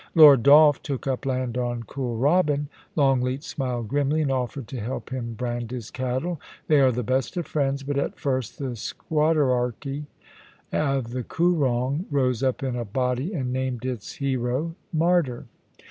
Lord Dolph took up land on Kooralbyn. Longleat smiled grimly, and offered to help him brand his cattle. They are the best of friends, but at first the squatterarchy of the Koorong rose up in a body and named its hero, martyr.'